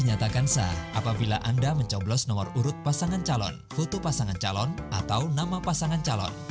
apakah anda mencoblos nama pasangan calon atau pasangan calon